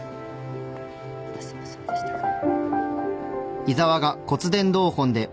私もそうでしたから。